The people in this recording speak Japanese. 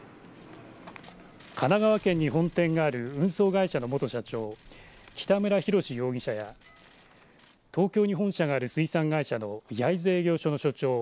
神奈川県に本店がある運送会社の元社長北村祐志容疑者や東京に本社がある水産会社の焼津営業所の所長